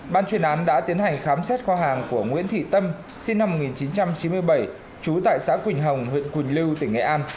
ban chuyên án đã tiến hành khám xét kho hàng của nguyễn thị tâm sinh năm một nghìn chín trăm chín mươi bảy trú tại xã quỳnh hồng huyện quỳnh lưu tỉnh nghệ an